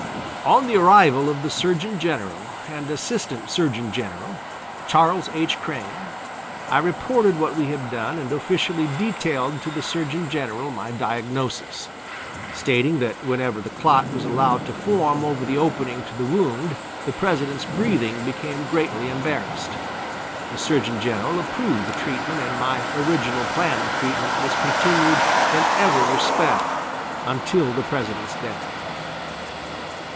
On the arrival of the Surgeon General and Assistant Surgeon General, Charles H. Crane, I reported what we had done and officially detailed to the Surgeon General my diagnosis, stating that whenever the clot was allowed to form over the opening to the wound the President's breathing became greatly embarrassed. The Surgeon General approved the treatment and my original plan of treatment was continued in every respect until the President's death.